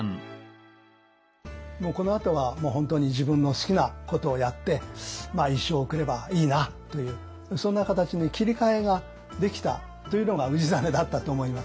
もうこのあとはもう本当に自分の好きなことをやって一生を送ればいいなというそんな形に切り替えができたというのが氏真だったと思います。